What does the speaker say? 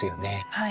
はい。